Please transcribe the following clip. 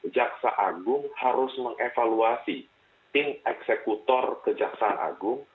jaksa agung harus mengevaluasi tim eksekutor kejaksaan agung